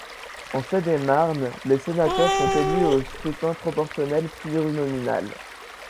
En Seine-et-Marne, les sénateurs sont élus au scrutin proportionnel plurinominal.